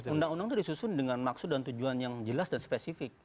undang undang itu disusun dengan maksud dan tujuan yang jelas dan spesifik